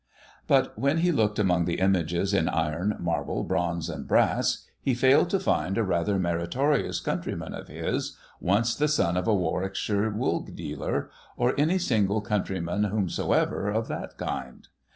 But, when he looked among the images in iron, marl)le, bronze, and brass, he failed to find a rather meritorious countryman of his, once the son of a Warwickshire wool dealer, or any single countr}' man whomsoever of that kind.